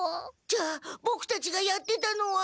じゃあボクたちがやってたのは。